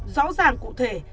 rõ ràng cụ thể